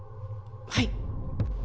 はい。